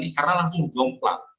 karena langsung jomplak